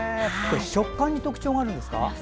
食感に特徴があるんですか？